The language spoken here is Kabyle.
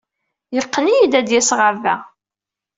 Yeqqen-iyi ad d-yas ɣer da.